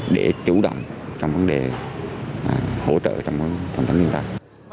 để chủ động trong vấn đề hỗ trợ trong thông tâm lương thực